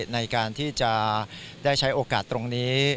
ในการที่จะได้ใช้โอกาสตรงนี้